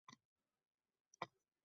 “Sen baxtli bo‘lishing kerak!”